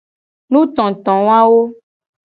Nutotowawo.